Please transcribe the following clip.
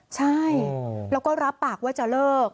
ใช่แล้วก็รับปากว่าจะเลิก